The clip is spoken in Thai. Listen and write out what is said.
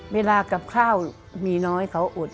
เวลากับข้าวมีน้อยเขาอด